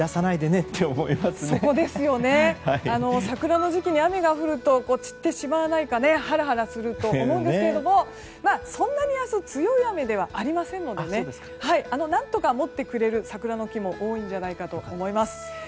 桜の時期に雨が降ると散ってしまわないかハラハラすると思うんですけどそんなに明日強い雨ではありませんので何とか持ってくれる桜の木も多いんじゃないかと思います。